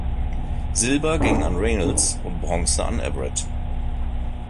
Silber ging an Reynolds und Bronze an Everett.